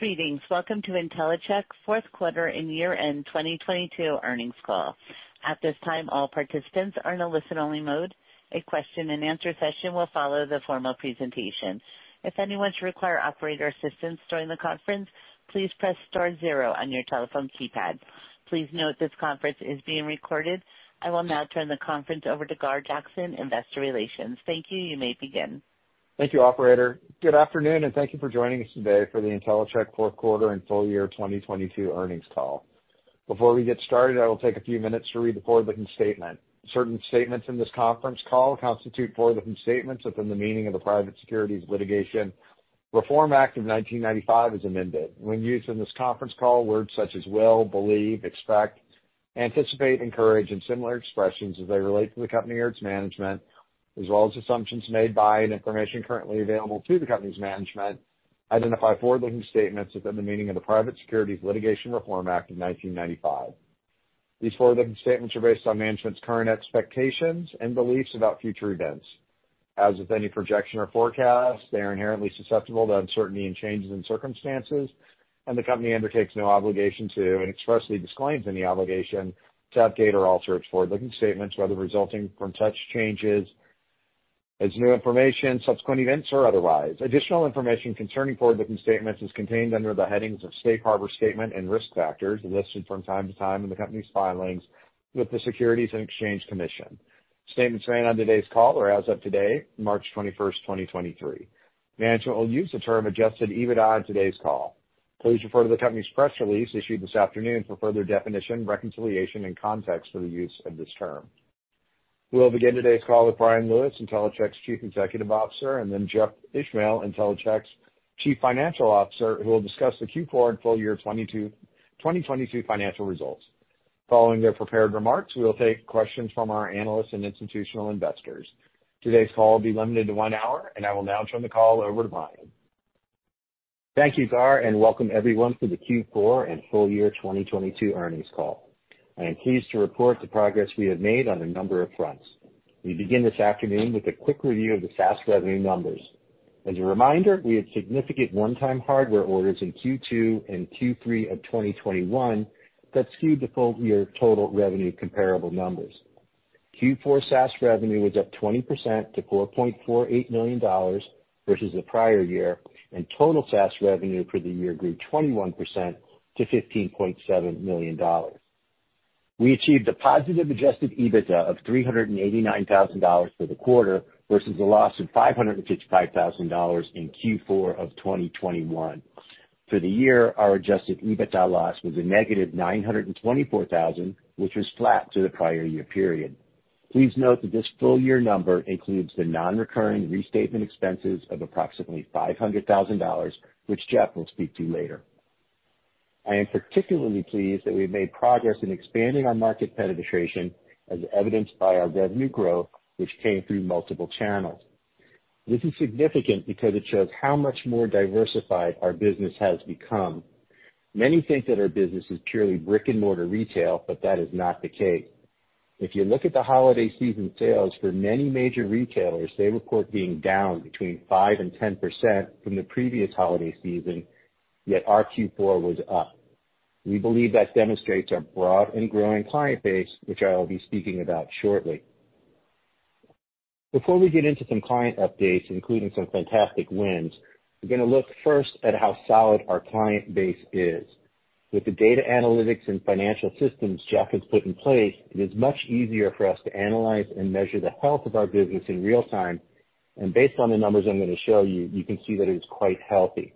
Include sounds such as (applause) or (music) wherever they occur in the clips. Greetings. Welcome to Intellicheck's Q4 and Year-End 2022 Earnings Call. At this time, all participants are in a listen-only mode. A question-and-answer session will follow the formal presentation. If anyone should require operator assistance during the conference, please press star zero on your telephone keypad. Please note this conference is being recorded. I will now turn the conference over to Gar Jackson, Investor Relations. Thank you. You may begin. Thank you, operator. Good afternoon, and thank you for joining us today for the Intellicheck Q4 and FY 2022 Earnings call. Before we get started, I will take a few minutes to read the forward-looking statement. Certain statements in this conference call constitute forward-looking statements within the meaning of the Private Securities Litigation Reform Act of 1995 as amended. When used in this conference call, words such as will, believe, expect, anticipate, encourage, and similar expressions as they relate to the company or it's management, as well as assumptions made by and information currently available to the company's management, identify forward-looking statements within the meaning of the Private Securities Litigation Reform Act of 1995. These forward-looking statements are based on management's current expectations and beliefs about future events. As with any projection or forecast, they are inherently susceptible to uncertainty and changes in circumstances, and the company undertakes no obligation to, and expressly disclaims any obligation to update or alter it's forward-looking statements, whether resulting from such changes as new information, subsequent events, or otherwise. Additional information concerning forward-looking statements is contained under the headings of Safe Harbor Statement and Risk Factors listed from time to time in the company's filings with the Securities and Exchange Commission. Statements made on today's call are as of today, March 21st, 2023. Management will use the term adjusted EBITDA on today's call. Please refer to the company's press release issued this afternoon for further definition, reconciliation, and context for the use of this term. We will begin today's call with Bryan Lewis, Intellicheck's Chief Executive Officer, and then Jeff Ishmael, Intellicheck's Chief Financial Officer, who will discuss the Q4 and FY 2022 financial results. Following their prepared remarks, we will take questions from our analysts and institutional investors. Today's call will be limited to one hour, and I will now turn the call over to Bryan. Thank you, Gar. Welcome everyone to the Q4 and FY 2022 Earnings Call. I am pleased to report the progress we have made on a number of fronts. We begin this afternoon with a quick review of the SaaS revenue numbers. As a reminder, we had significant one-time hardware orders in Q2 and Q3 of 2021 that skewed the full year total revenue comparable numbers. Q4 SaaS revenue was up 20% to $4.48 million versus the prior year, and total SaaS revenue for the year grew 21% to $15.7 million. We achieved a positive adjusted EBITDA of $389,000 for the quarter versus a loss of $555,000 in Q4 of 2021. For the year, our adjusted EBITDA loss was -$924,000, which was flat to the prior year period. Please note that this full year number includes the non-recurring restatement expenses of approximately $500,000, which Jeff will speak to later. I am particularly pleased that we've made progress in expanding our market penetration as evidenced by our revenue growth, which came through multiple channels. This is significant because it shows how much more diversified our business has become. Many think that our business is purely brick-and-mortar retail, but that is not the case. If you look at the holiday season sales for many major retailers, they report being down between 5%-10% from the previous holiday season, yet our Q4 was up. We believe that demonstrates our broad and growing client base, which I'll be speaking about shortly. Before we get into some client updates, including some fantastic wins, we're gonna look first at how solid our client base is. With the data analytics and financial systems Jeff has put in place, it is much easier for us to analyze and measure the health of our business in real time, and based on the numbers I'm gonna show you can see that it is quite healthy.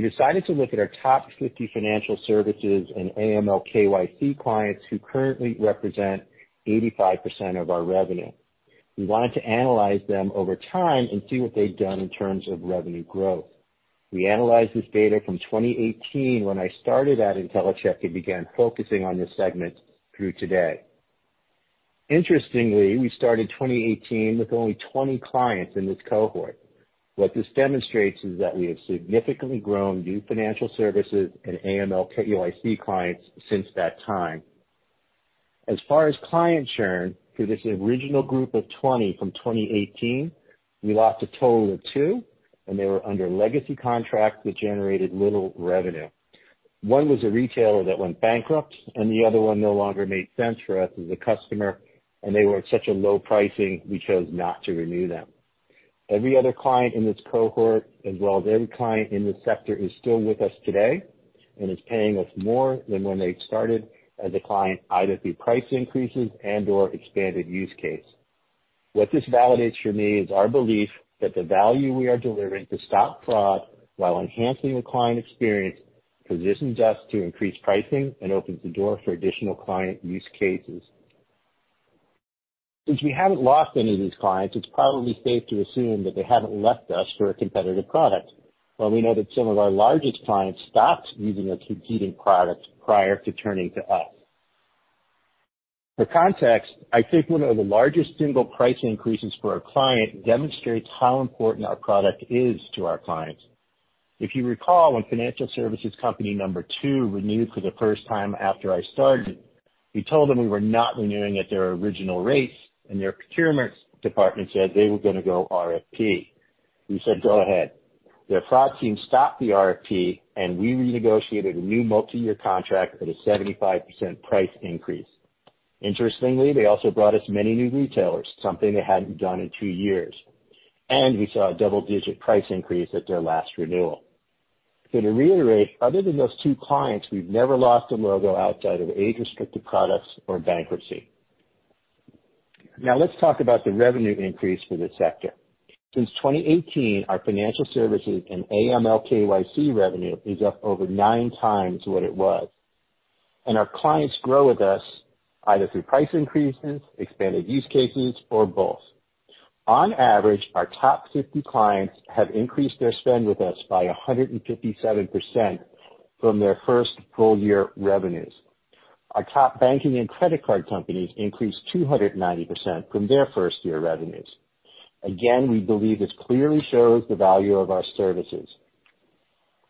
We decided to look at our top 50 financial services and AML/KYC clients who currently represent 85% of our revenue. We wanted to analyze them over time and see what they've done in terms of revenue growth. We analyzed this data from 2018 when I started at Intellicheck and began focusing on this segment through today. Interestingly, we started 2018 with only 20 clients in this cohort. What this demonstrates is that we have significantly grown new financial services and AML/KYC clients since that time. As far as client churn, through this original group of 20 from 2018, we lost a total of two, and they were under legacy contracts which generated little revenue. One was a retailer that went bankrupt and the other one no longer made sense for us as a customer, and they were at such a low pricing, we chose not to renew them. Every other client in this cohort, as well as every client in this sector, is still with us today and is paying us more than when they started as a client, either through price increases and/or expanded use case. What this validates for me is our belief that the value we are delivering to stop fraud while enhancing the client experience positions us to increase pricing and opens the door for additional client use cases. Since we haven't lost any of these clients, it's probably safe to assume that they haven't left us for a competitive product. While we know that some of our largest clients stopped using a competing product prior to turning to us. For context, I think one of the largest single price increases for a client demonstrates how important our product is to our clients. If you recall, when financial services company number two renewed for the first time after I started. We told them we were not renewing at their original rates, and their procurement department said they were gonna go RFP. We said, "Go ahead." Their fraud team stopped the RFP, and we renegotiated a new multi-year contract at a 75% price increase. Interestingly, they also brought us many new retailers, something they hadn't done in two years, and we saw a double-digit price increase at their last renewal. To reiterate, other than those two clients, we've never lost a logo outside of age-restricted products or bankruptcy. Now let's talk about the revenue increase for the sector. Since 2018, our financial services and AML/KYC revenue is up over nine times what it was. Our clients grow with us either through price increases, expanded use cases, or both. On average, our top 50 clients have increased their spend with us by 157% from their first full year revenues. Our top banking and credit card companies increased 290% from their first-year revenues. We believe this clearly shows the value of our services.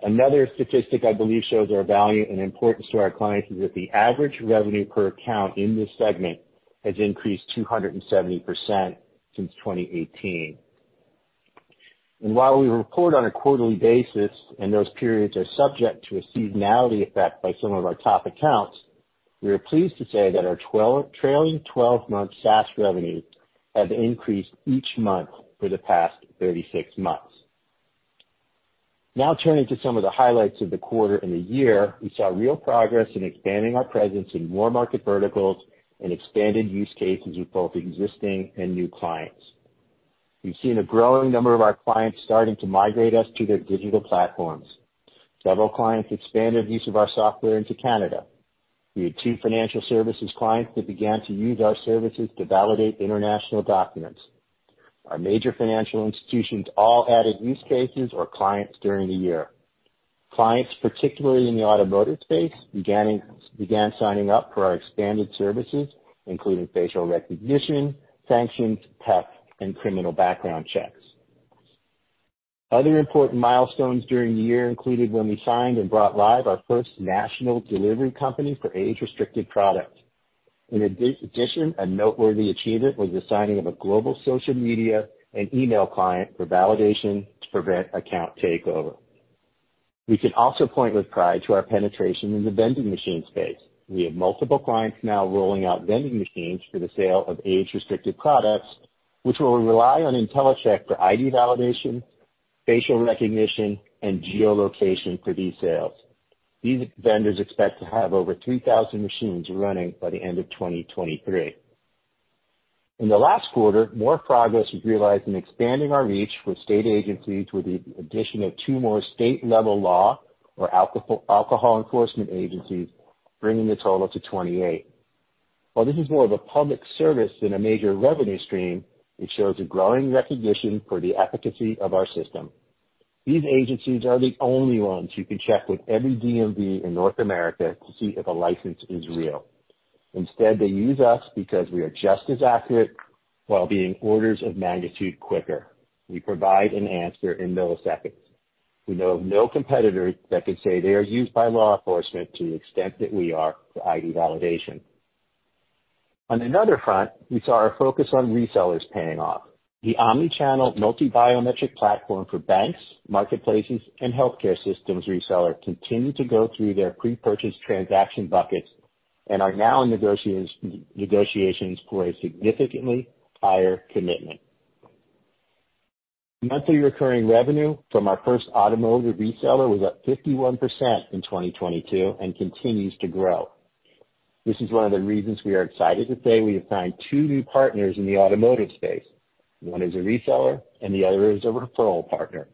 Another statistic I believe shows our value and importance to our clients is that the average revenue per account in this segment has increased 270% since 2018. While we report on a quarterly basis, and those periods are subject to a seasonality effect by some of our top accounts, we are pleased to say that our trailing 12 month SaaS revenue has increased each month for the past 36 months. Turning to some of the highlights of the quarter and the year, we saw real progress in expanding our presence in more market verticals and expanded use cases with both existing and new clients. We've seen a growing number of our clients starting to migrate us to their digital platforms. Several clients expanded use of our software into Canada. We had two financial services clients that began to use our services to validate international documents. Our major financial institutions all added use cases or clients during the year. Clients, particularly in the automotive space, began signing up for our expanded services, including facial recognition, sanctions, PEP, and criminal background checks. Other important milestones during the year included when we signed and brought live our first national delivery company for age-restricted products. In addition, a noteworthy achievement was the signing of a global social media and email client for validation to prevent account takeover. We can also point with pride to our penetration in the vending machine space. We have multiple clients now rolling out vending machines for the sale of age-restricted products, which will rely on Intellicheck for ID validation, facial recognition, and geolocation for these sales. These vendors expect to have over 2,000 machines running by the end of 2023. In the last quarter, more progress was realized in expanding our reach with state agencies with the addition of two more state-level law or alco... Alcohol enforcement agencies, bringing the total to 28. While this is more of a public service than a major revenue stream, it shows a growing recognition for the efficacy of our system. These agencies are the only ones who can check with every DMV in North America to see if a license is real. Instead, they use us because we are just as accurate while being orders of magnitude quicker. We provide an answer in milliseconds. We know of no competitor that can say they are used by law enforcement to the extent that we are for ID validation. On another front, we saw our focus on resellers paying off. The omni-channel multi-biometric platform for banks, marketplaces, and healthcare systems reseller continued to go through their pre-purchase transaction buckets and are now in negotiations for a significantly higher commitment. Monthly recurring revenue from our first automotive reseller was up 51% in 2022 and continues to grow. This is one of the reasons we are excited to say we have signed two new partners in the automotive space. One is a reseller and the other is a referral partner.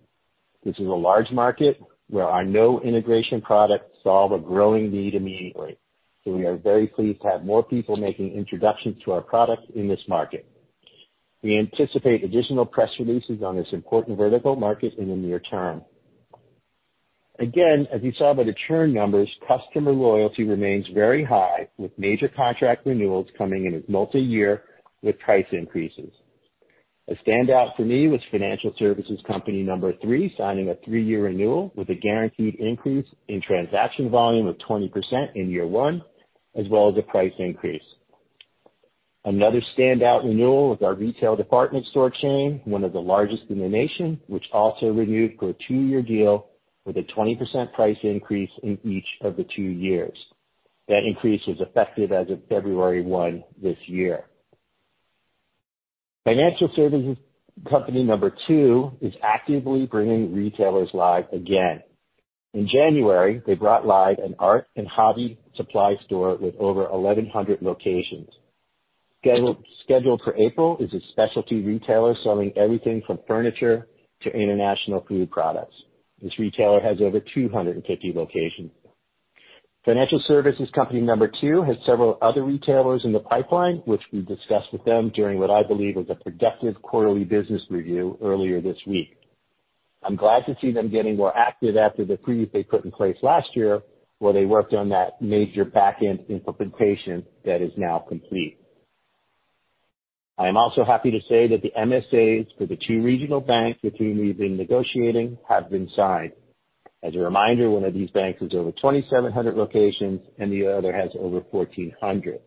This is a large market where our no integration products solve a growing need immediately, so we are very pleased to have more people making introductions to our products in this market. We anticipate additional press releases on this important vertical market in the near term. As you saw by the churn numbers, customer loyalty remains very high, with major contract renewals coming in as multi-year with price increases. A standout for me was financial services company number three signing a 3-year renewal with a guaranteed increase in transaction volume of 20% in year one, as well as a price increase. Another standout renewal with our retail department store chain, one of the largest in the nation, which also renewed for a two-year deal with a 20% price increase in each of the two years. That increase was effective as of February 1st this year. Financial services company number two is actively bringing retailers live again. In January, they brought live an art and hobby supply store with over 1,100 locations. Scheduled, scheduled for April is a specialty retailer selling everything from furniture to international food products. This retailer has over 250 locations. Financial services company number two has several other retailers in the pipeline, which we discussed with them during what I believe was a productive quarterly business review earlier this week. I'm glad to see them getting more active after the freeze they put in place last year, where they worked on that major back-end implementation that is now complete. I am also happy to say that the MSAs for the two regional banks between we've been negotiating have been signed. As a reminder, one of these banks is over 2,700 locations and the other has over 1,400.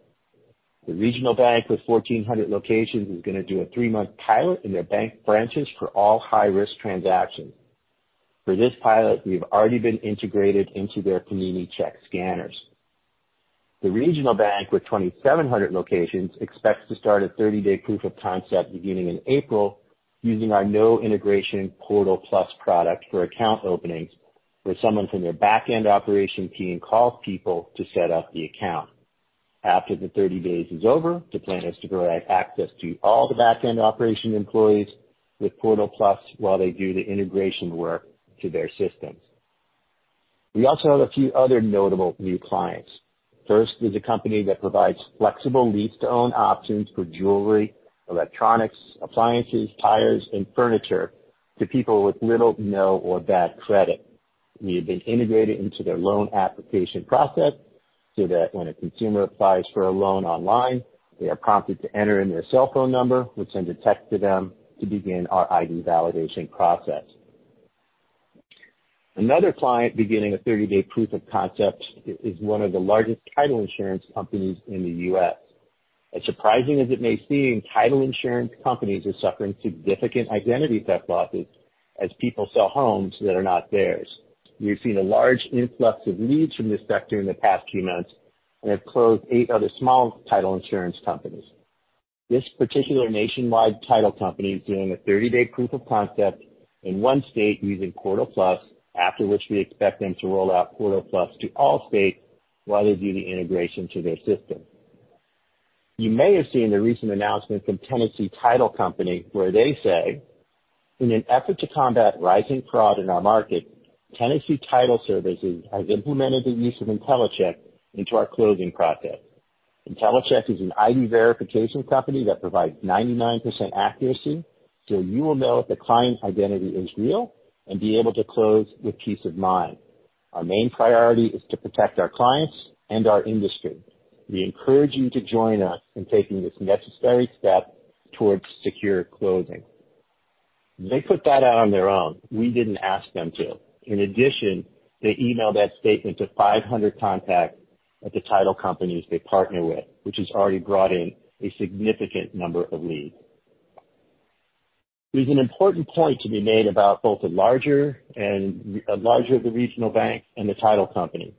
The regional bank with 1,400 locations is gonna do a three-month pilot in their bank branches for all high risk transactions. For this pilot, we've already been integrated into their community check scanners. The regional bank with 2,700 locations expects to start a 30-day Proof of Concept beginning in April, using our no integration Portal+ product for account openings where someone from their back-end operation team calls people to set up the account. After the 30 days is over, the plan is to provide access to all the back-end operation employees with Portal+ while they do the integration work to their systems. We also have a few other notable new clients. First is a company that provides flexible lease-to-own options for jewelry, electronics, appliances, tires and furniture to people with little, no or bad credit. We have been integrated into their loan application process so that when a consumer applies for a loan online, they are prompted to enter in their cell phone number, which sends a text to them to begin our ID validation process. Another client beginning a 30-day Proof of Concept is one of the largest title insurance companies in the U.S. As surprising as it may seem, title insurance companies are suffering significant identity theft losses as people sell homes that are not theirs. We've seen a large influx of leads from this sector in the past few months and have closed eight other small title insurance companies. This particular nationwide title company is doing a 30-day Proof of Concept in one state using Portal+, after which we expect them to roll out Portal+ to all states while they do the integration to their system. You may have seen the recent announcement from Tennessee Title Company, where they say, "In an effort to combat rising fraud in our market, Tennessee Title Services has implemented the use of Intellicheck into our closing process. Intellicheck is an ID verification company that provides 99% accuracy, so you will know if the client identity is real and be able to close with peace of mind. Our main priority is to protect our clients and our industry. We encourage you to join us in taking this necessary step towards secure closing." They put that out on their own. We didn't ask them to. In addition, they emailed that statement to 500 contacts at the title companies they partner with, which has already brought in a significant number of leads. There's an important point to be made about both the larger and, larger the regional bank and the title company.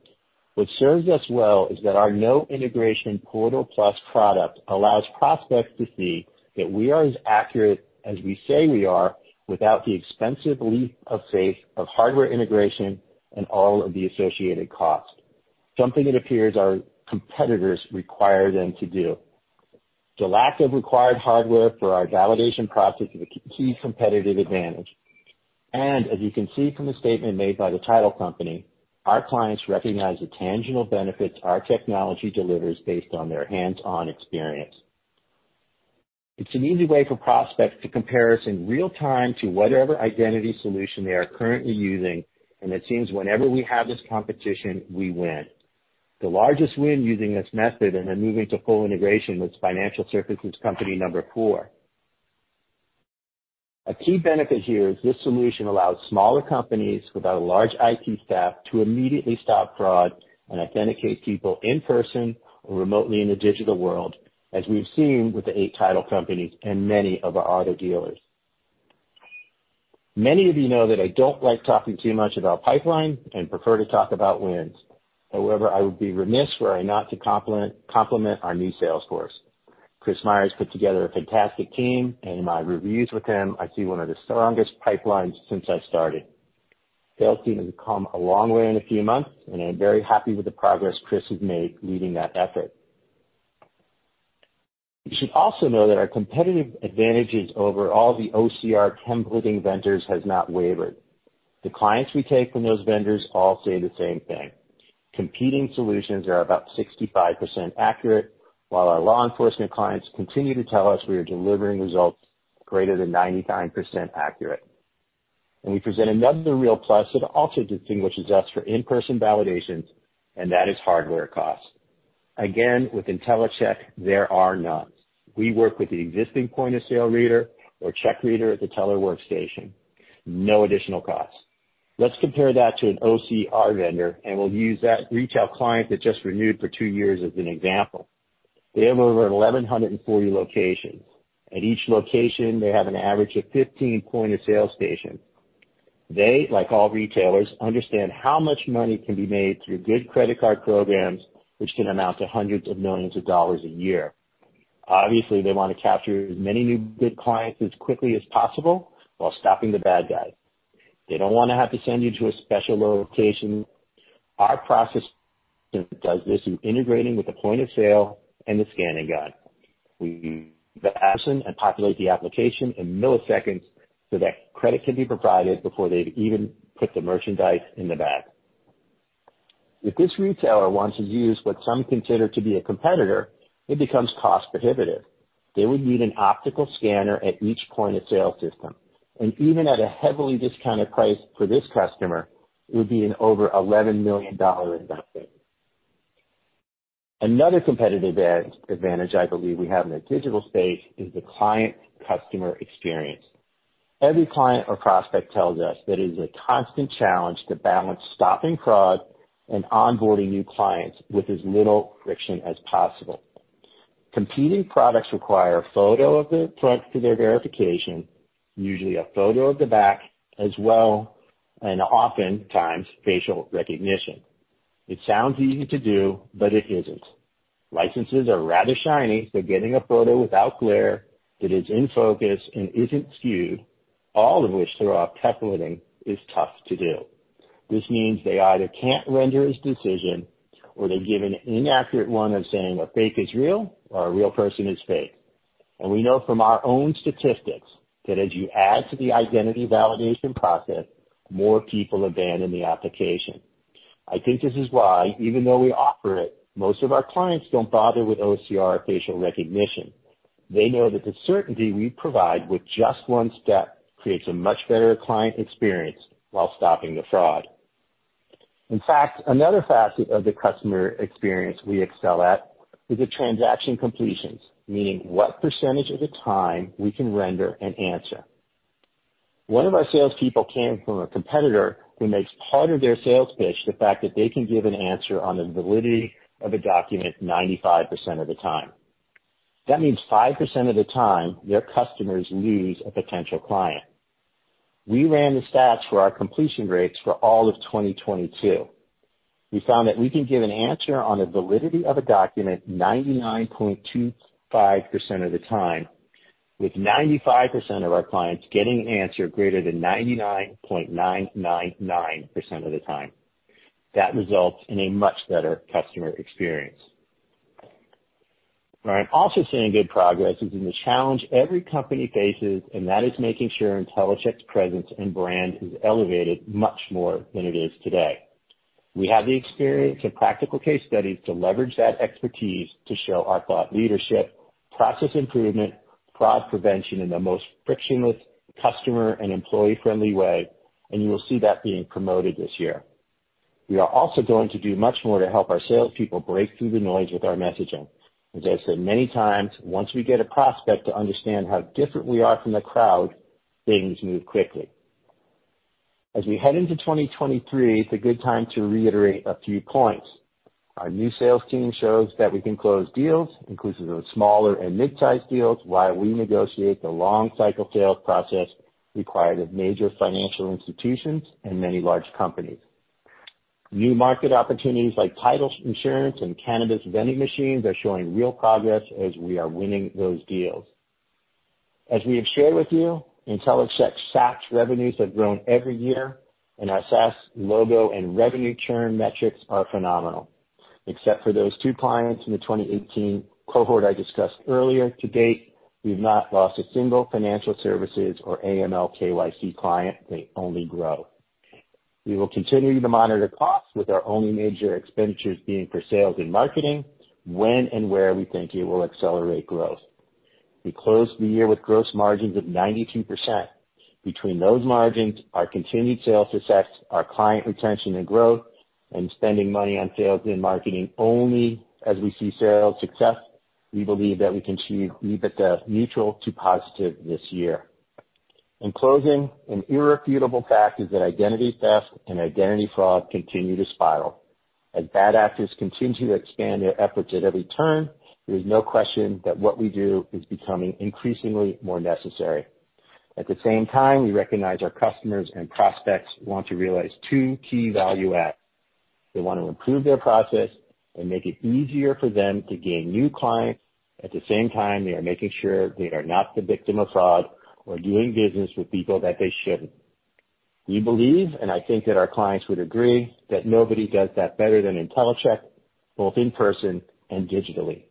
What serves us well is that our no integration Portal+ product allows prospects to see that we are as accurate as we say we are, without the expensive leap of faith of hardware integration and all of the associated costs, something that appears our competitors require them to do. The lack of required hardware for our validation process is a key competitive advantage. As you can see from the statement made by the title company, our clients recognize the tangential benefits our technology delivers based on their hands-on experience. It's an easy way for prospects to compare us in real time to whatever identity solution they are currently using. It seems whenever we have this competition, we win. The largest win using this method, and then moving to full integration, was financial services company number four. A key benefit here is this solution allows smaller companies without a large IT staff to immediately stop fraud and authenticate people in person or remotely in the digital world, as we've seen with the 8 title companies and many of our auto dealers. Many of you know that I don't like talking too much about pipeline and prefer to talk about wins. I would be remiss were I not to compliment our new sales force. Chris Myers put together a fantastic team and in my reviews with him I see one of the strongest pipelines since I started. Sales team has come a long way in a few months and I'm very happy with the progress Chris has made leading that effort. You should also know that our competitive advantages over all the OCR templating vendors has not wavered. The clients we take from those vendors all say the same thing. Competing solutions are about 65% accurate, while our law enforcement clients continue to tell us we are delivering results greater than 99% accurate. We present another real plus that also distinguishes us for in-person validations, and that is hardware costs. Again, with Intellicheck, there are none. We work with the existing point-of-sale reader or check reader at the teller workstation. No additional cost. Let's compare that to an OCR vendor, and we'll use that retail client that just renewed for two years as an example. They have over 1,140 locations. At each location, they have an average of 15 point-of-sale stations. They, like all retailers, understand how much money can be made through good credit card programs, which can amount to hundreds of millions of dollars a year. Obviously, they want to capture as many new good clients as quickly as possible while stopping the bad guys. They don't want to have to send you to a special location. Our process does this in integrating with the point of sale and the scanning gun. We use the person and populate the application in milliseconds so that credit can be provided before they've even put the merchandise in the bag. If this retailer wants to use what some consider to be a competitor, it becomes cost prohibitive. They would need an optical scanner at each point-of-sale system, and even at a heavily discounted price for this customer, it would be an over $11 million investment. Another competitive advantage I believe we have in the digital space is the client customer experience. Every client or prospect tells us that it is a constant challenge to balance stopping fraud and onboarding new clients with as little friction as possible. Competing products require a photo of the front for their verification, usually a photo of the back as well, and oftentimes facial recognition. It sounds easy to do, but it isn't. Licenses are rather shiny, so getting a photo without glare that is in focus and isn't skewed, all of which throw off tech reading, is tough to do. This means they either can't render its decision or they give an inaccurate one of saying a fake is real or a real person is fake. We know from our own statistics that as you add to the identity validation process, more people abandon the application. I think this is why, even though we offer it, most of our clients don't bother with OCR facial recognition. They know that the certainty we provide with just one step creates a much better client experience while stopping the fraud. In fact, another facet of the customer experience we excel at is the transaction completions, meaning what % of the time we can render an answer. One of our salespeople came from a competitor who makes part of their sales pitch the fact that they can give an answer on the validity of a document 95% of the time. That means 5% of the time their customers lose a potential client. We ran the stats for our completion rates for all of 2022. We found that we can give an answer on the validity of a document 99.25% of the time, with 95% of our clients getting an answer greater than 99.999% of the time. That results in a much better customer experience. Where I'm also seeing good progress is in the challenge every company faces, that is making sure Intellicheck's presence and brand is elevated much more than it is today. We have the experience and practical case studies to leverage that expertise to show our thought leadership, process improvement, fraud prevention in the most frictionless customer and employee-friendly way, you will see that being promoted this year. We are also going to do much more to help our salespeople break through the noise with our messaging. As I've said many times, once we get a prospect to understand how different we are from the crowd, things move quickly. As we head into 2023, it's a good time to reiterate a few points. Our new sales team shows that we can close deals, including those smaller and mid-sized deals, while we negotiate the long cycle sales process required of major financial institutions and many large companies. New market opportunities like title insurance and cannabis vending machines are showing real progress as we are winning those deals. As we have shared with you, Intellicheck's SaaS revenues have grown every year, and our SaaS logo and revenue churn metrics are phenomenal. Except for those two clients in the 2018 cohort I discussed earlier, to date, we've not lost a single financial services or AML/KYC client. They only grow. We will continue to monitor costs, with our only major expenditures being for sales and marketing, when and where we think it will accelerate growth. We closed the year with gross margins of 92%. Between those margins, our continued sales success, our client retention and growth, and spending money on sales and marketing only as we see sales success, we believe that we can achieve EBITDA neutral to positive this year. In closing, an irrefutable fact is that identity theft and identity fraud continue to spiral. As bad actors continue to expand their efforts at every turn, there is no question that what we do is becoming increasingly more necessary. At the same time, we recognize our customers and prospects want to realize two key value adds. They want to improve their process and make it easier for them to gain new clients. At the same time, they are making sure they are not the victim of fraud or doing business with people that they shouldn't. We believe, and I think that our clients would agree, that nobody does that better than Intellicheck, both in person and digitally.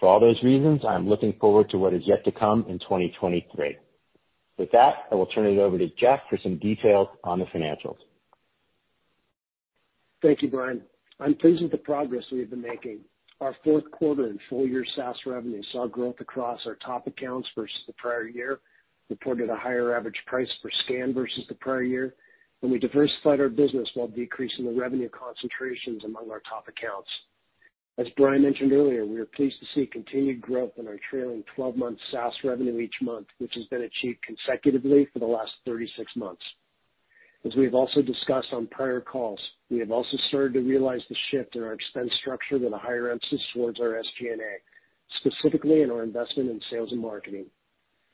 For all those reasons, I'm looking forward to what is yet to come in 2023. With that, I will turn it over to Jeff for some details on the financials. Thank you, Bryan. I'm pleased with the progress we have been making. Our Q4 and FY SaaS revenue saw growth across our top accounts versus the prior year, reported a higher average price per scan versus the prior year, and we diversified our business while decreasing the revenue concentrations among our top accounts. As Bryan mentioned earlier, we are pleased to see continued growth in our trailing 12-month SaaS revenue each month, which has been achieved consecutively for the last 36 months. As we have also discussed on prior calls, we have also started to realize the shift in our expense structure with a higher emphasis towards our SG&A, specifically in our investment in sales and marketing.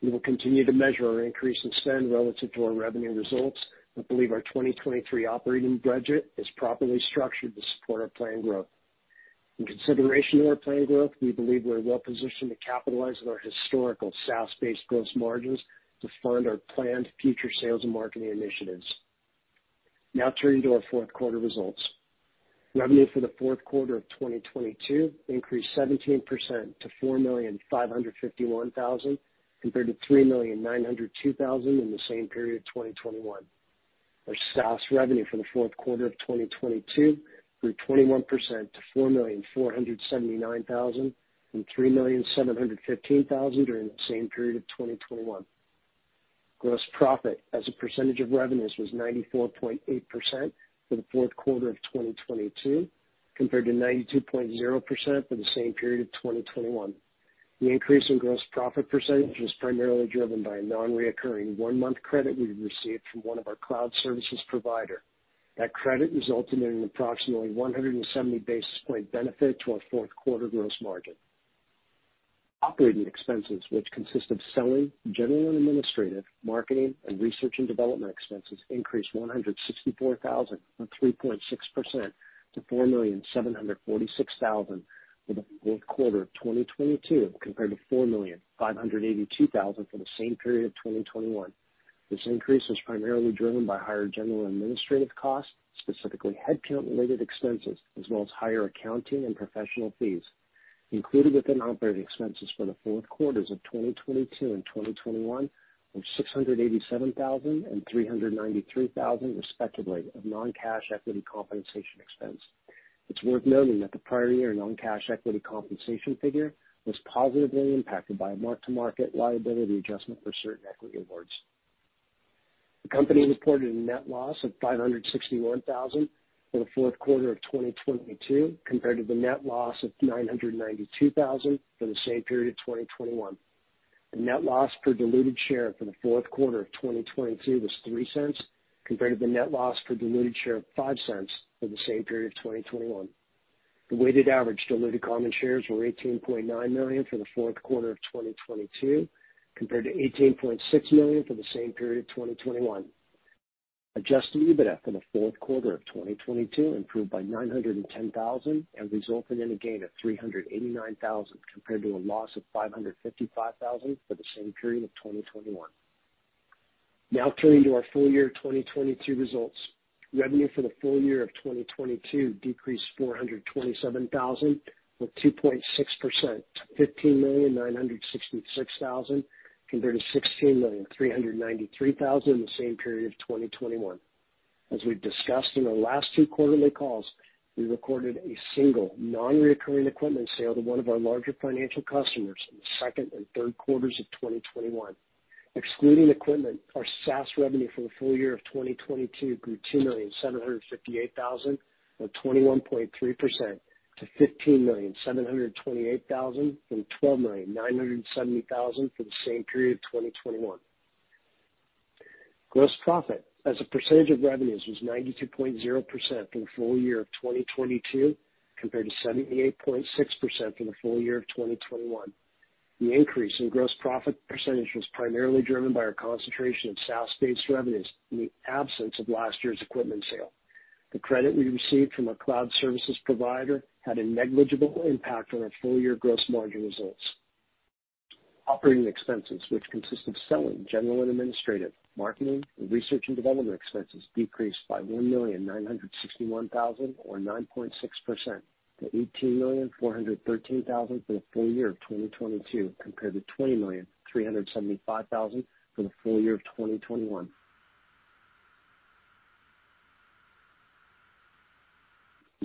We will continue to measure our increase in spend relative to our revenue results, but believe our 2023 operating budget is properly structured to support our planned growth. In consideration of our planned growth, we believe we're well positioned to capitalize on our historical SaaS-based gross margins to fund our planned future sales and marketing initiatives. Now turning to our Q4 results. Revenue for the Q4 of 2022 increased 17% to $4,551,000 compared to $3,902,000 in the same period of 2021. Our SaaS revenue for the Q4 of 2022 grew 21% to $4,479,000 from $3,715,000 during the same period of 2021. Gross profit as a percentage of revenues was 94.8% for the Q4 of 2022, compared to 92.0% for the same period of 2021. The increase in gross profit percentage was primarily driven by a non-recurring one-month credit we received from one of our cloud services provider. That credit resulted in an approximately 170 basis point benefit to our Q4 gross margin. Operating expenses, which consist of selling, general and administrative, marketing, and research and development expenses, increased $164,000, or 3.6% to $4,746,000 for the Q4 of 2022, compared to $4,582,000 for the same period of 2021. This increase was primarily driven by higher general administrative costs, specifically headcount related expenses as well as higher accounting and professional fees. Included with the non-operating expenses for the Q4s of 2022 and 2021 were $687,000 and $393,000, respectively, of non-cash equity compensation expense. It's worth noting that the prior year non-cash equity compensation figure was positively impacted by a mark-to-market liability adjustment for certain equity awards. The company reported a net loss of $561,000 for the Q4 of 2022, compared to the net loss of $992,000 for the same period of 2021. The net loss per diluted share for the Q4 of 2022 was $0.03, compared to the net loss per diluted share of $0.05 for the same period of 2021. The weighted average diluted common shares were $18.9 million for the Q4 of 2022, compared to $18.6 million for the same period of 2021. Adjusted EBITDA for the Q4 of 2022 improved by $910,000 and resulted in a gain of $389,000, compared to a loss of $555,000 for the same period of 2021. Turning to our FY 2022 results. Revenue for the FY of 2022 decreased $427,000, or 2.6% to $15,966,000, compared to $16,393,000 in the same period of 2021. As we've discussed in our last two quarterly calls, we recorded a single non-recurring equipment sale to one of our larger financial customers in the second and Q3s of 2021. Excluding equipment, our SaaS revenue for the FY of 2022 grew $2,758,000, or 21.3% to $15,728,000 from $12,970,000 for the same period of 2021. Gross profit as a percentage of revenues was 92.0% for the FY of 2022, compared to 78.6% for the FY of 2021. The increase in gross profit percentage was primarily driven by our concentration of SaaS-based revenues in the absence of last year's equipment sale. The credit we received from our cloud services provider had a negligible impact on our full year gross margin results. Operating expenses, which consist of selling, general and administrative, marketing, and research and development expenses, decreased by $1,961,000 or 9.6% to $18,413,000 for the FY of 2022, compared to $20,375,000 for the FY of 2021.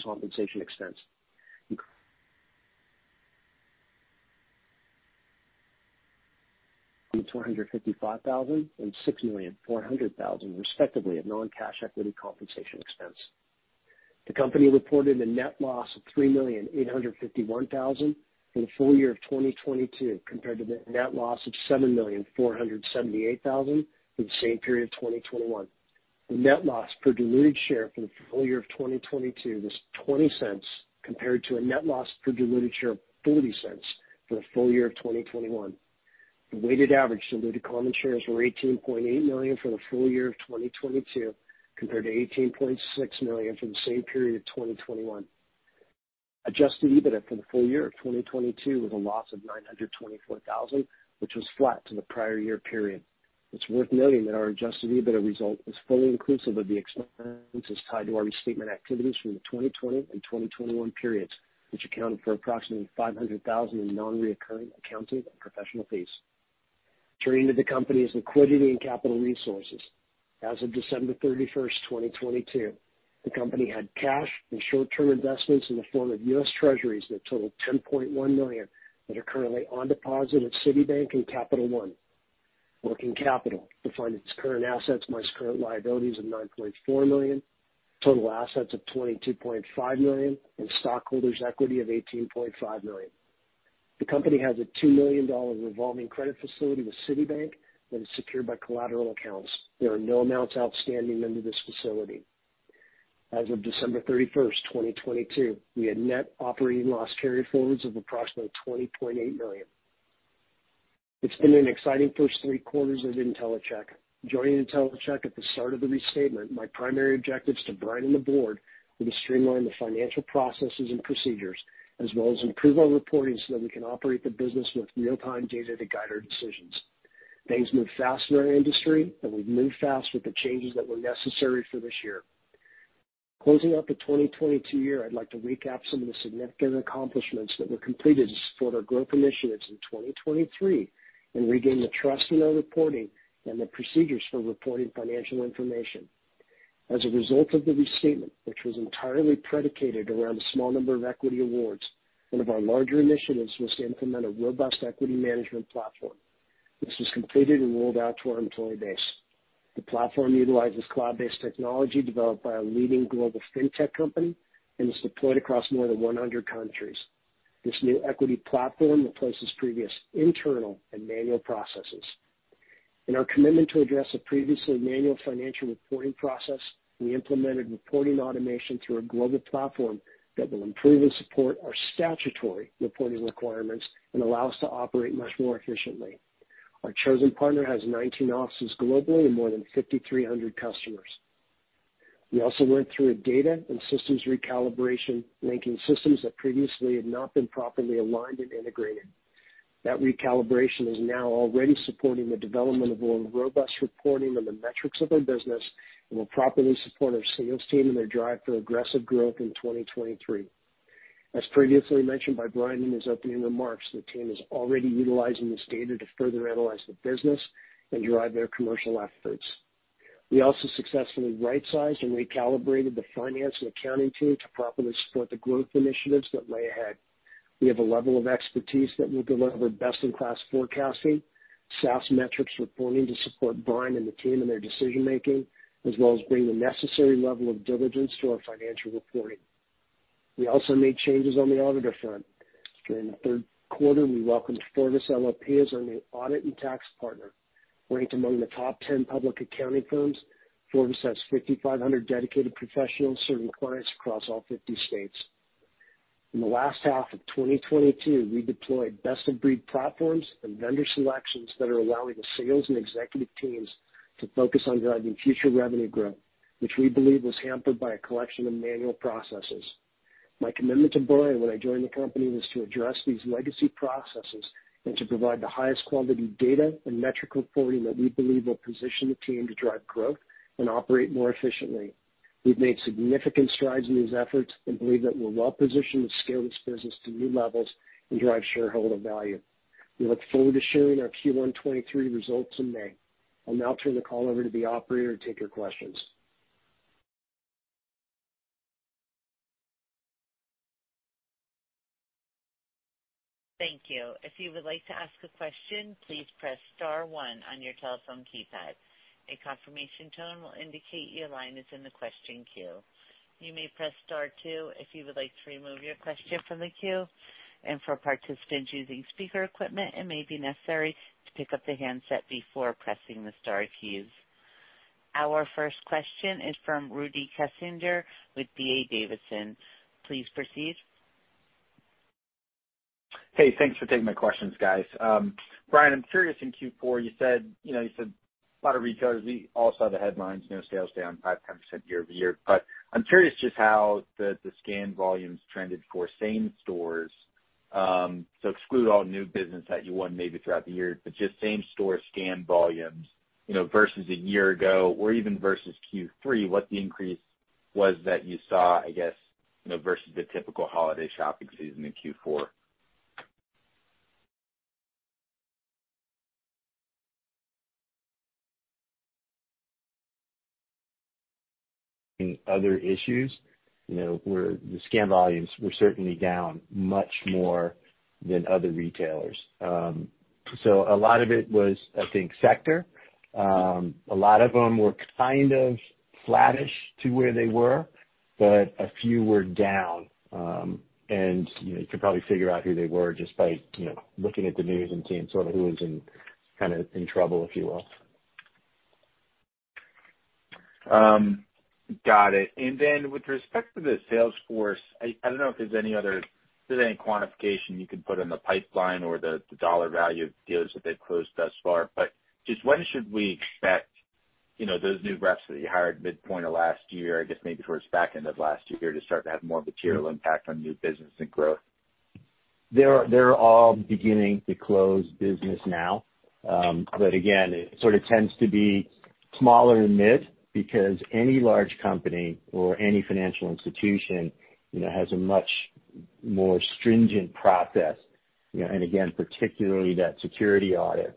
Compensation expense from $455,000 and $6,400,000, respectively, of non-cash equity compensation expense. The company reported a net loss of $3,851,000 for the FY of 2022 compared to the net loss of $7,478,000 for the same period of 2021. The net loss per diluted share for the FY of 2022 was $0.20, compared to a net loss per diluted share of $0.40 for the FY of 2021. The weighted average diluted common shares were 18.8 million for the FY of 2022, compared to 18.6 million for the same period of 2021. Adjusted EBITDA for the FY of 2022 was a loss of $924,000, which was flat to the prior year period. It's worth noting that our adjusted EBITDA result is fully inclusive of the expenses tied to our restatement activities from the 2020 and 2021 periods, which accounted for approximately $500,000 in non-reoccurring accounting and professional fees. Turning to the company's liquidity and capital resources. As of December 31st, 2022, the company had cash and short-term investments in the form of US Treasuries that totaled $10.1 million that are currently on deposit at Citibank and Capital One. Working capital defined as current assets minus current liabilities of $9.4 million, total assets of $22.5 million, and stockholders' equity of $18.5 million. The company has a $2 million revolving credit facility with Citibank that is secured by collateral accounts. There are no amounts outstanding under this facility. As of December 31st, 2022, we had net operating loss carryforwards of approximately $20.8 million. It's been an exciting first three quarters at Intellicheck. Joining Intellicheck at the start of the restatement, my primary objectives to Bryan and the board were to streamline the financial processes and procedures as well as improve our reporting so that we can operate the business with real-time data to guide our decisions. Things move fast in our industry, and we've moved fast with the changes that were necessary for this year. Closing out the 2022 year, I'd like to recap some of the significant accomplishments that were completed to support our growth initiatives in 2023 and regain the trust in our reporting and the procedures for reporting financial information. As a result of the restatement, which was entirely predicated around a small number of equity awards, one of our larger initiatives was to implement a robust equity management platform. This was completed and rolled out to our employee base. The platform utilizes cloud-based technology developed by a leading global fintech company and is deployed across more than 100 countries. This new equity platform replaces previous internal and manual processes. In our commitment to address a previously manual financial reporting process, we implemented reporting automation through a global platform that will improve and support our statutory reporting requirements and allow us to operate much more efficiently. Our chosen partner has 19 offices globally and more than 5,300 customers. We also went through a data and systems recalibration, linking systems that previously had not been properly aligned and integrated. That recalibration is now already supporting the development of more robust reporting on the metrics of our business and will properly support our sales team in their drive for aggressive growth in 2023. As previously mentioned by Bryan in his opening remarks, the team is already utilizing this data to further analyze the business and drive their commercial efforts. We also successfully rightsized and recalibrated the finance and accounting team to properly support the growth initiatives that lay ahead. We have a level of expertise that will deliver best-in-class forecasting, SaaS metrics reporting to support Bryan and the team in their decision-making, as well as bring the necessary level of diligence to our financial reporting. We also made changes on the auditor front. During the Q3, we welcomed FORVIS, LLP as our new audit and tax partner. Ranked among the top 10 public accounting firms, FORVIS has 5,500 dedicated professionals serving clients across all 50 states. In the last half of 2022, we deployed best-of-breed platforms and vendor selections that are allowing the sales and executive teams to focus on driving future revenue growth, which we believe was hampered by a collection of manual processes. My commitment to Bryan when I joined the company was to address these legacy processes and to provide the highest quality data and metric reporting that we believe will position the team to drive growth and operate more efficiently. We've made significant strides in these efforts and believe that we're well positioned to scale this business to new levels and drive shareholder value. We look forward to sharing our Q1 '23 results in May. I'll now turn the call over to the operator to take your questions. Thank you. If you would like to ask a question, please press star one on your telephone keypad. A confirmation tone will indicate your line is in the question queue. You may press star two if you would like to remove your question from the queue. For participants using speaker equipment, it may be necessary to pick up the handset before pressing the star keys. Our first question is from Rudy Kessinger with D.A. Davidson. Please proceed. Hey, thanks for taking my questions, guys. Bryan, I'm curious, in Q4, you said, you know, you said a lot of retailers, we all saw the headlines, you know, sales down 5%, 10% year-over-year. I'm curious just how the scan volumes trended for same stores, so exclude all new business that you won maybe throughout the year, but just same store scan volumes, you know, versus a year ago or even versus Q3, what the increase was that you saw, I guess, you know, versus the typical holiday shopping season in Q4? In other issues, you know, the scan volumes were certainly down much more than other retailers. A lot of it was, I think, sector. A lot of them were kind of flattish to where they were, but a few were down. You know, you could probably figure out who they were just by, you know, looking at the news and seeing sort of who was in, kind of in trouble, if you will. Got it. Then with respect to the sales force, I don't know if there's any other, if there's any quantification you can put on the pipeline or the dollar value of deals that they've closed thus far. Just when should we expect, you know, those new reps that you hired midpoint of last year, I guess maybe towards back end of last year to start to have more material impact on new business and growth? They're all beginning to close business now. Again, it sort of tends to be smaller and mid because any large company or any financial institution, you know, has a much more stringent process, you know, and again, particularly that security audit.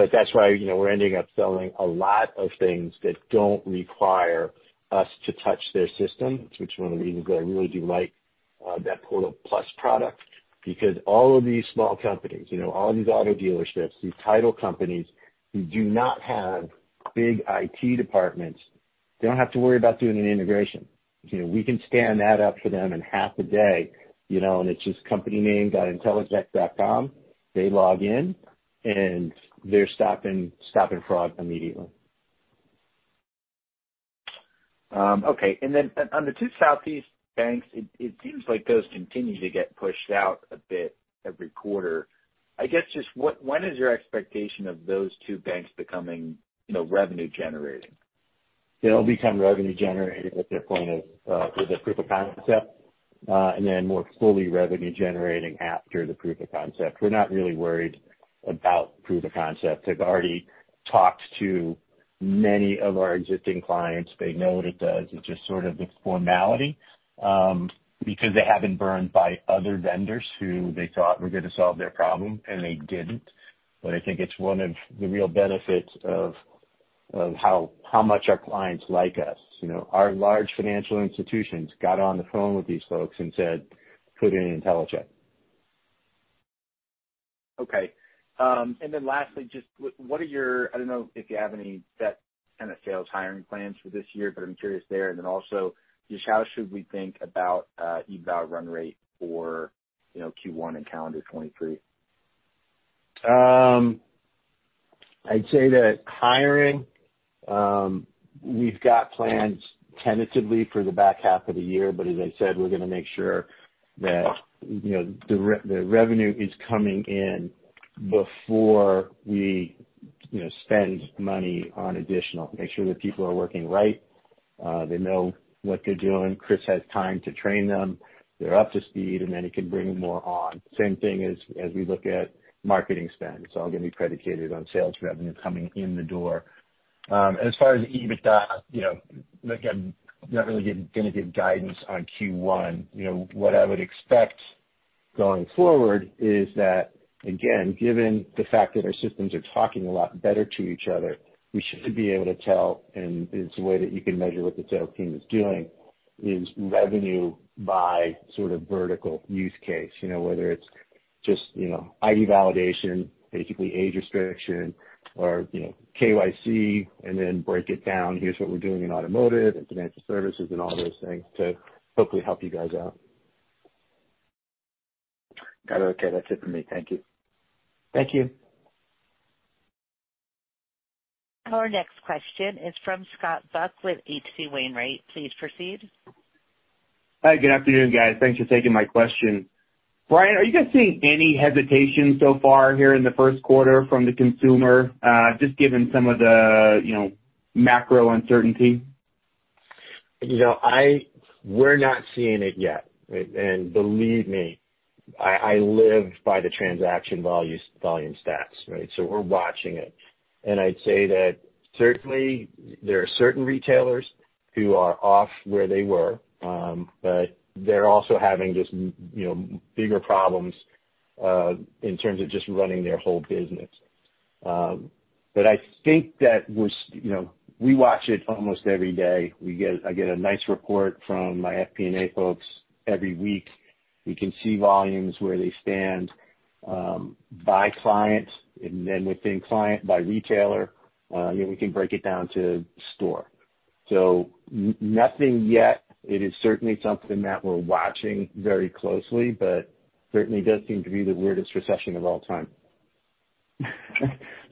That's why, you know, we're ending up selling a lot of things that don't require us to touch their system. It's which one of the reasons that I really do like that Portal+ product, because all of these small companies, you know, all these auto dealerships, these title companies who do not have big IT departments they don't have to worry about doing an integration. You know, we can stand that up for them in half a day, you know, and it's just companyname.intellicheck.com. They log in, they're stopping fraud immediately. Okay. On the two Southeast banks, it seems like those continue to get pushed out a bit every quarter. I guess just when is your expectation of those two banks becoming, you know, revenue generating? They'll become revenue generating at their point of with their Proof of Concept, and then more fully revenue generating after the Proof of Concept. We're not really worried about Proof of Concept. They've already talked to many of our existing clients. They know what it does. It's just sort of this formality, because they haven't burned by other vendors who they thought were gonna solve their problem, and they didn't. I think it's one of the real benefits of how much our clients like us. You know, our large financial institutions got on the phone with these folks and said, "Put in Intellicheck". Okay. Then lastly, I don't know if you have any set kind of sales hiring plans for this year, I'm curious there. Then also, just how should we think about EBITDA run rate for, you know, Q1 in calendar 2023? I'd say that hiring, we've got plans tentatively for the back half of the year, as I said, we're gonna make sure that, you know, the revenue is coming in before we, you know, spend money on additional. Make sure that people are working right, they know what they're doing, Chris has time to train them, they're up to speed, then he can bring more on. Same thing as we look at marketing spend. It's all gonna be predicated on sales revenue coming in the door. As far as EBITDA, you know, again, not really gonna give guidance on Q1. You know, what I would expect going forward is that, again, given the fact that our systems are talking a lot better to each other, we should be able to tell, and it's a way that you can measure what the sales team is doing, is revenue by sort of vertical use case. You know, whether it's just, you know, ID validation, basically age restriction or, you know, KYC, and then break it down, here's what we're doing in automotive and financial services and all those things to hopefully help you guys out. Got it. Okay. That's it for me. Thank you. Thank you. Our next question is from Scott Buck with H.C. Wainwright. Please proceed. Hi, good afternoon, guys. Thanks for taking my question. Bryan, are you guys seeing any hesitation so far here in the Q1 from the consumer, just given some of the, you know, macro uncertainty? You know, we're not seeing it yet. Believe me, I live by the transaction volume stats, right? We're watching it. I'd say that certainly there are certain retailers who are off where they were, but they're also having just, you know, bigger problems in terms of just running their whole business. I think that we're, you know, we watch it almost every day. I get a nice report from my FP&A folks every week. We can see volumes where they stand, by client, and then within client, by retailer, you know, we can break it down to store. Nothing yet. It is certainly something that we're watching very closely, but certainly does seem to be the weirdest recession of all time.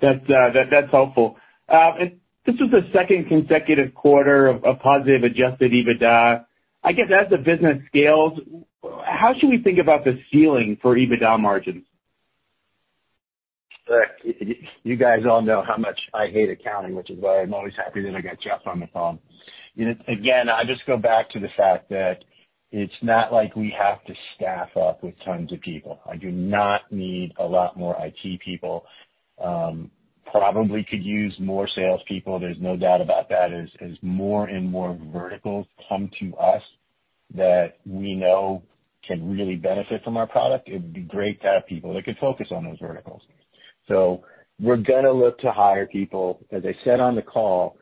That's helpful. This was the second consecutive quarter of positive adjusted EBITDA. I guess as the business scales, how should we think about the ceiling for EBITDA margins? Look, you guys all know how much I hate accounting, which is why I'm always happy that I got Jeff on the phone. You know, again, I just go back to the fact that it's not like we have to staff up with tons of people. I do not need a lot more IT people. Probably could use more salespeople, there's no doubt about that. As more and more verticals come to us that we know can really benefit from our product, it'd be great to have people that can focus on those verticals. We're gonna look to hire people. As I said on the call,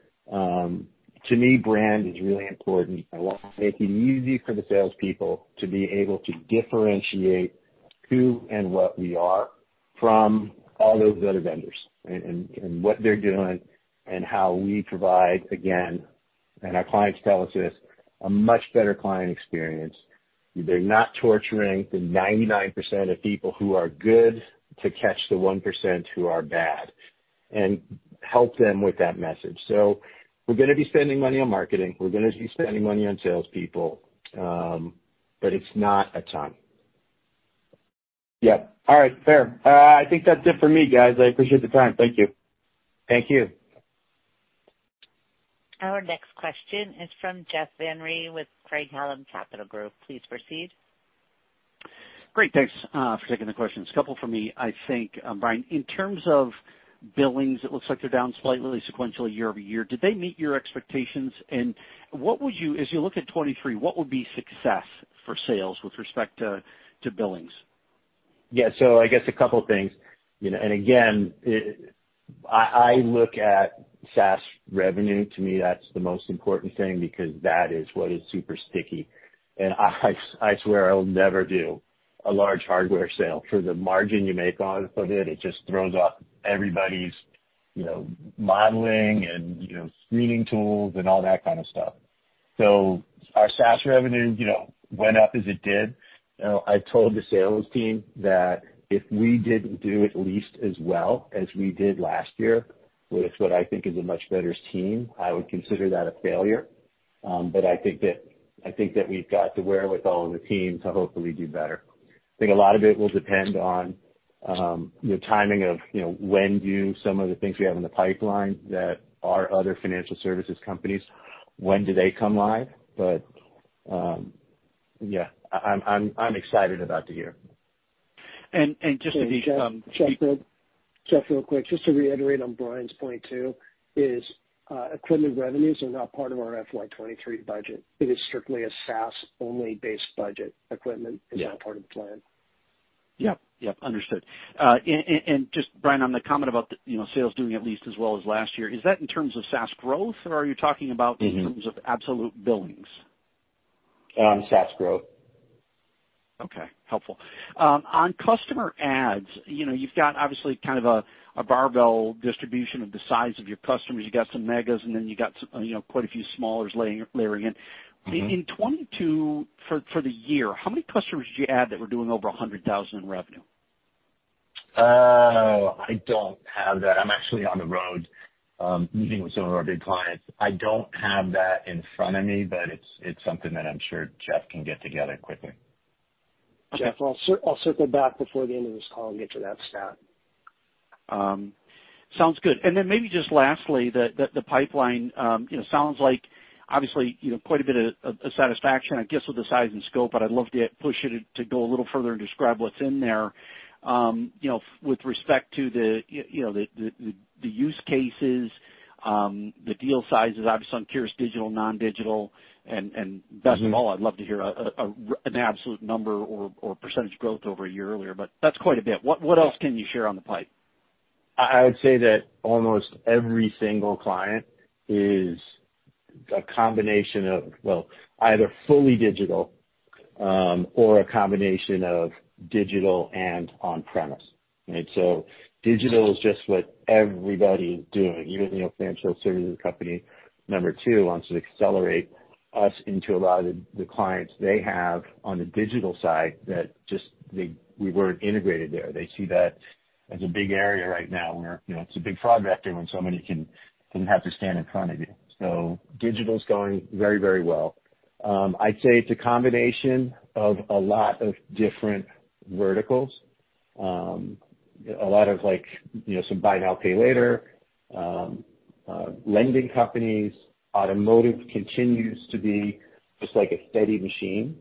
to me, brand is really important. I want to make it easy for the salespeople to be able to differentiate who and what we are from all those other vendors and what they're doing and how we provide, again, and our clients tell us this, a much better client experience. They're not torturing the 99% of people who are good to catch the 1% who are bad, and help them with that message. We're gonna be spending money on marketing. We're gonna be spending money on salespeople. But it's not a ton. Yeah. All right. Fair. I think that's it for me, guys. I appreciate the time. Thank you. Thank you. Our next question is from Jeff Van Rhee with Craig-Hallum Capital Group. Please proceed. Great. Thanks for taking the questions. A couple from me. I think, Bryan, in terms of billings, it looks like they're down slightly sequential year-over-year. Did they meet your expectations? What would you As you look at 2023, what would be success for sales with respect to billings? Yeah. I guess a couple things, you know. Again, I look at SaaS revenue. To me, that's the most important thing because that is what is super sticky. I swear I will never do a large hardware sale for the margin you make on it. It just throws off everybody's, you know, modeling and, you know, screening tools and all that kind of stuff. Our SaaS revenue, you know, went up as it did. You know, I told the sales team that if we didn't do at least as well as we did last year with what I think is a much better team, I would consider that a failure. I think that we've got the wherewithal on the team to hopefully do better. I think a lot of it will depend on, the timing of, you know, when do some of the things we have in the pipeline that are other financial services companies, when do they come live. Yeah, I'm excited about the year. (crosstalk) Jeff, real quick. Just to reiterate on Bryan's point too. Equipment revenues are not part of our FY '23 budget. It is strictly a SaaS only based budget. Equipment is not part of the plan. Yep. Yep. Understood. And just Bryan, on the comment about the, you know, sales doing at least as well as last year, is that in terms of SaaS growth or are you talking about? Mm-hmm. In terms of absolute billings? SaaS growth. Okay. Helpful. On customer ads, you know, you've got obviously kind of a barbell distribution of the size of your customers. You've got some megas, and then you've got some, you know, quite a few smallers layering in. Mm-hmm. In '22, for the year, how many customers did you add that were doing over $100,000 in revenue? I don't have that. I'm actually on the road, meeting with some of our big clients. I don't have that in front of me, but it's something that I'm sure Jeff can get together quickly. Jeff, I'll circle back before the end of this call and get to that stat. Sounds good. Then maybe just lastly, the pipeline, you know, sounds like obviously, you know, quite a bit of satisfaction, I guess, with the size and scope, but I'd love to push you to go a little further and describe what's in there, you know, with respect to the, you know, the use cases, the deal sizes, obviously I'm curious, digital, non-digital, and best of all, I'd love to hear an absolute number or percentage growth over a year earlier, but that's quite a bit. What else can you share on the pipe? I would say that almost every single client is a combination of. Well, either fully digital, or a combination of digital and on-premise. Digital is just what everybody's doing. Even, you know, financial services company number two wants to accelerate us into a lot of the clients they have on the digital side that we weren't integrated there. They see that as a big area right now where, you know, it's a big fraud vector when somebody can have to stand in front of you. Digital's going very, very well. I'd say it's a combination of a lot of different verticals. A lot of like, you know, some buy now, pay later, lending companies, automotive continues to be just like a steady machine.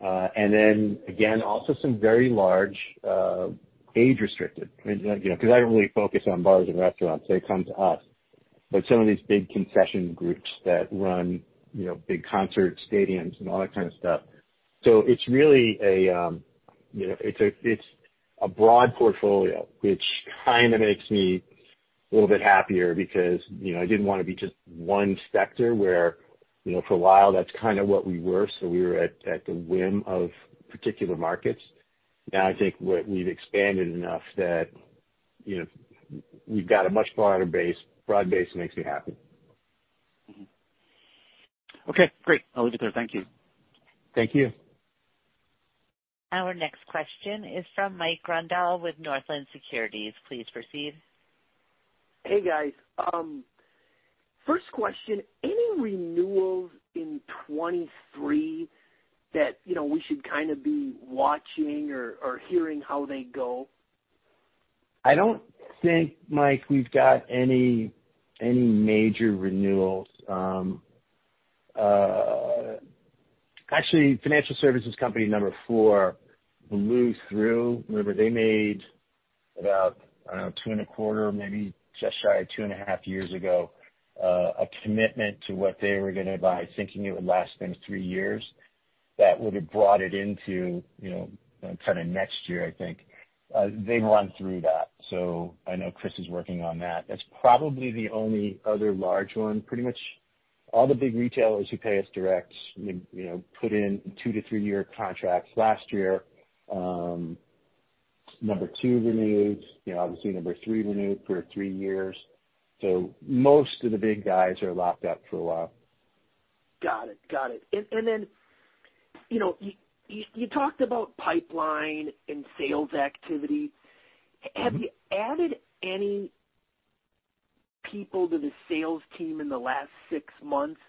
Then again, also some very large, age restricted, you know, 'cause I don't really focus on bars and restaurants, they come to us. Some of these big concession groups that run, you know, big concert stadiums and all that kind of stuff. It's really a, you know, it's a, it's a broad portfolio, which kind of makes me a little bit happier because, you know, I didn't want to be just one sector where, you know, for a while that's kind of what we were. We were at the whim of particular markets. Now, I think what we've expanded enough that, you know, we've got a much broader base. Broad base makes me happy. Okay, great. No, we're clear. Thank you. Thank you. Our next question is from Mike Grondahl with Northland Securities. Please proceed. Hey, guys. First question, any renewals in '23 that, you know, we should kind of be watching or hearing how they go? I don't think, Mike, we've got any major renewals. actually, financial services company number four will move through. Remember they made about, I don't know, two and a quarter, maybe just shy of two and a half years ago, a commitment to what they were gonna buy, thinking it would last them three years. That would have brought it into, you know, kind of next year, I think. They run through that. I know Chris is working on that. That's probably the only other large one. Pretty much all the big retailers who pay us direct, you know, put in two to three-year contracts last year, number two renewed, you know, obviously number three renewed for three years. Most of the big guys are locked up for a while. Got it. Got it. Then, you know, you talked about pipeline and sales activity. Mm-hmm. Have you added any people to the sales team in the last six months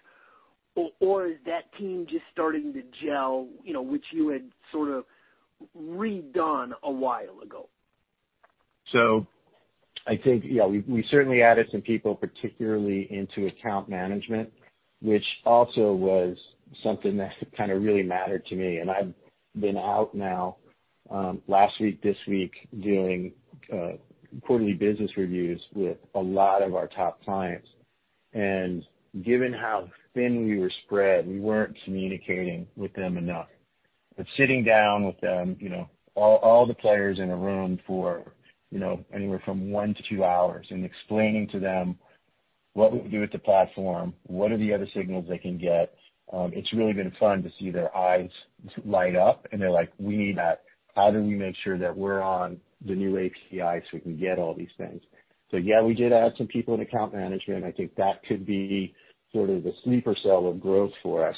or is that team just starting to gel, you know, which you had sort of redone a while ago? I think, yeah, we certainly added some people, particularly into account management, which also was something that kind of really mattered to me. I've been out now, last week, this week, doing quarterly business reviews with a lot of our top clients. Given how thin we were spread, we weren't communicating with them enough. Sitting down with them, you know, all the players in a room for, you know, anywhere from one to two hours and explaining to them what we do with the platform, what are the other signals they can get, it's really been fun to see their eyes light up and they're like, "We need that. How do we make sure that we're on the new API so we can get all these things?" Yeah, we did add some people in account management. I think that could be sort of the sleeper cell of growth for us,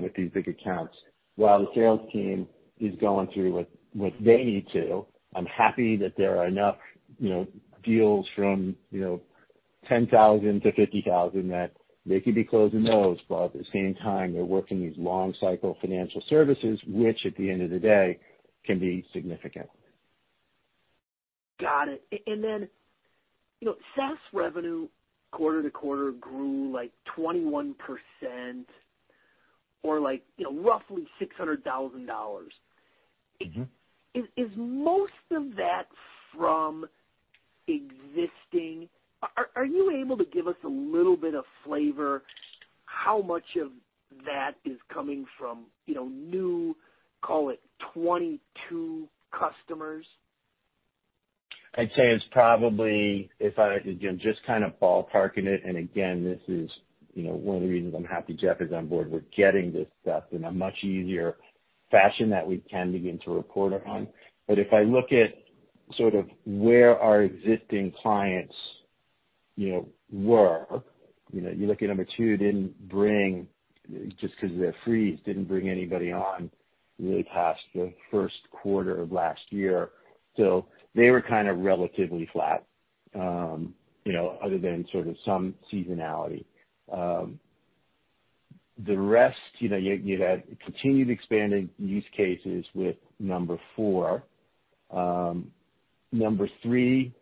with these big accounts. While the sales team is going through what they need to, I'm happy that there are enough, you know, deals from, you know, $10,000-$50,000 that they could be closing those, but at the same time, they're working these long cycle financial services, which at the end of the day can be significant. Got it. Then, you know, SaaS revenue quarter-to-quarter grew like 21%. Like, you know, roughly $600,000. Mm-hmm. Is most of that from existing... Are you able to give us a little bit of flavor how much of that is coming from, you know, new, call it '22 customers? I'd say it's If I, again, just kind of ballparking it and again, this is, you know, one of the reasons I'm happy Jeff is on board. We're getting this stuff in a much easier fashion that we can begin to report on. If I look at sort of where our existing clients, you know, were. You know, you look at number two just because of their freeze, didn't bring anybody on really past the Q1 of last year. They were kind of relatively flat, you know, other than sort of some seasonality. The rest, you know, you had continued expanded use cases with number four. Number three,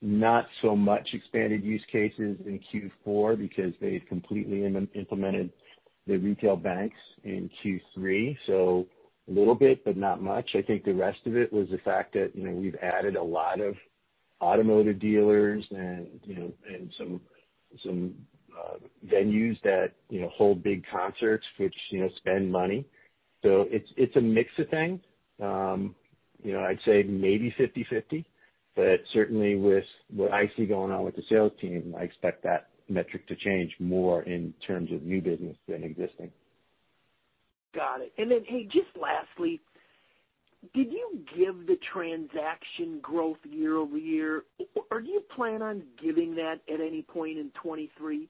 not so much expanded use cases in Q4 because they had completely implemented the retail banks in Q3. A little bit, but not much. I think the rest of it was the fact that, you know, we've added a lot of automotive dealers and, you know, and some venues that, you know, hold big concerts which, you know, spend money. It's a mix of things. you know, I'd say maybe 50/50, but certainly with what I see going on with the sales team, I expect that metric to change more in terms of new business than existing. Got it. Hey, just lastly, did you give the transaction growth year over year? Or do you plan on giving that at any point in '23?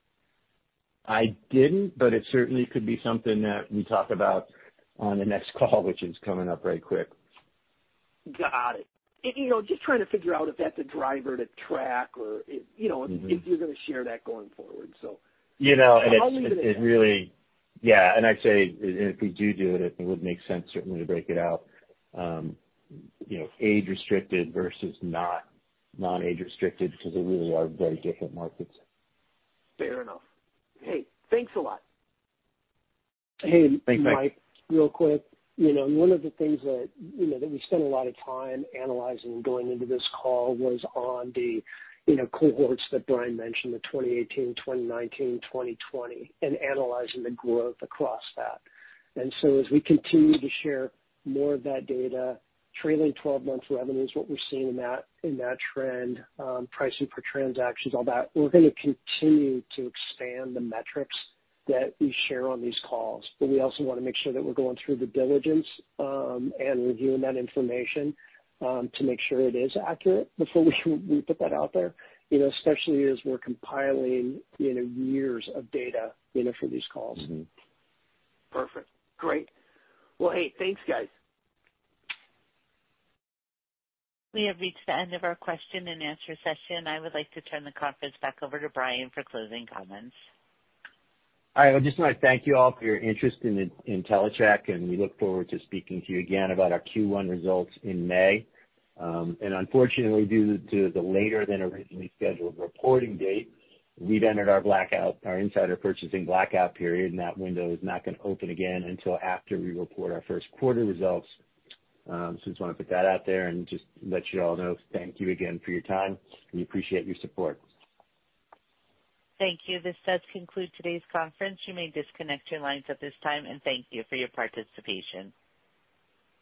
I didn't, but it certainly could be something that we talk about on the next call, which is coming up right quick. Got it. You know, just trying to figure out if that's a driver to track or if, you know... Mm-hmm. If you're gonna share that going forward, so. You know. I'll leave it at that. It really... Yeah, I'd say if we do it would make sense certainly to break it out, you know, age restricted versus non-age restricted because they really are very different markets. Fair enough. Hey, thanks a lot. Thanks, Mike. Hey, Mike, real quick. You know, one of the things that, you know, that we spent a lot of time analyzing going into this call was on the, you know, cohorts that Bryan mentioned, the 2018, 2019, 2020, and analyzing the growth across that. So as we continue to share more of that data, trailing 12 months revenues, what we're seeing in that, in that trend, pricing per transactions, all that, we're gonna continue to expand the metrics that we share on these calls. We also wanna make sure that we're going through the diligence and reviewing that information to make sure it is accurate before we put that out there. You know, especially as we're compiling, you know, years of data, you know, for these calls. Perfect. Great. Well, hey, thanks, guys. We have reached the end of our question-and-answer session. I would like to turn the conference back over to Bryan for closing comments. All right. I just wanna thank you all for your interest in Intellicheck. We look forward to speaking to you again about our Q1 results in May. Unfortunately, due to the later than originally scheduled reporting date, we've entered our insider purchasing blackout period, and that window is not gonna open again until after we report our Q1 results. Just wanna put that out there and just let you all know. Thank you again for your time. We appreciate your support. Thank you. This does conclude today's conference. You may disconnect your lines at this time, and thank you for your participation.